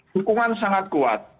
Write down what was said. dukungan sangat kuat